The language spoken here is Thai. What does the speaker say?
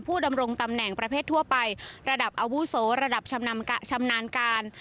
ดำรงตำแหน่งประเภททั่วไประดับอาวุโสระดับชำนาญการ